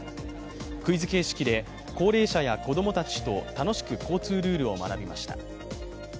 クイズ形式で高齢者や子供たちと楽しく交通ルールを学びました。